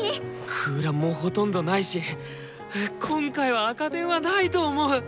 空欄もほとんどないし今回は赤点はないと思う！